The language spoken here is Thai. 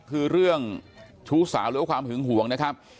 คือเรื่องชู้สาวหรือว่าความหึงห่วงนะครับ